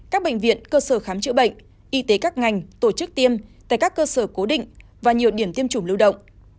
các bệnh viện cơ sở khám chữa bệnh y tế các ngành tổ chức tiêm tại các cơ sở cố định và nhiều điểm tiêm chủng lưu động